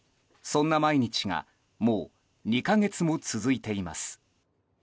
そんな毎日がもう２か月も続いています。